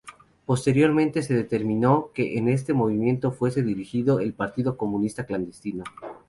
Posteriormente se determinó que este movimiento fuese dirigido por el Partido Comunista Clandestino.